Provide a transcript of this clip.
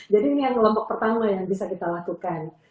jadi ini yang kelompok pertama yang bisa kita lakukan